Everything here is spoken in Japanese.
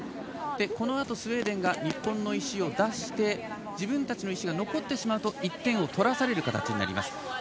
このあとスウェーデンが日本の石を出して自分たちの石が残ってしまうと１点を取らされる形になります。